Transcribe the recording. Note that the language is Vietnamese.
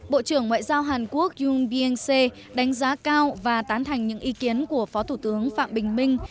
bộ trưởng ngoại giao hàn quốc yoon byung se đánh giá cao và tán thành những ý kiến của phó thủ tướng phạm bình minh